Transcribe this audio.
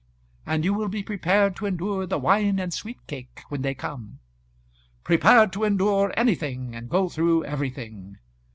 "And you will be prepared to endure the wine and sweet cake when they come." "Prepared to endure anything, and go through everything.